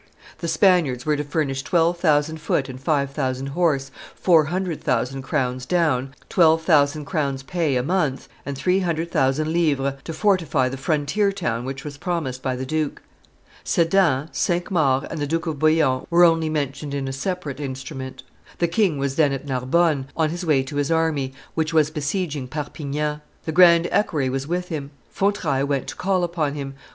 The Spaniards were to furnish twelve thousand foot and five thousand horse, four hundred thousand crowns down, twelve thousand crowns' pay a month, and three hundred thousand livres to fortify the frontier town which was promised by the duke. Sedan, Cinq Mars, and the Duke of Bouillon were only mentioned in a separate instrument. The king was then at Narbonne, on his way to his army, which was besieging Perpignan. The grand equerry was with him. Fontrailles went to call upon him.